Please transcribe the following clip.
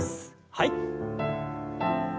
はい。